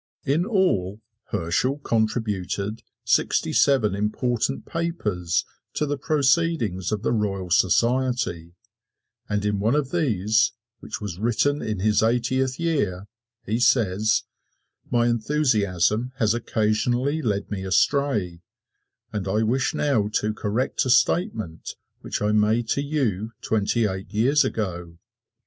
In all, Herschel contributed sixty seven important papers to the proceedings of the Royal Society, and in one of these, which was written in his eightieth year, he says, "My enthusiasm has occasionally led me astray, and I wish now to correct a statement which I made to you twenty eight years ago."